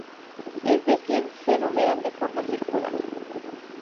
Es decir, se numeran de forma circular.